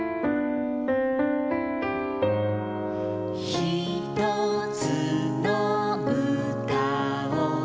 「ひとつのうたを」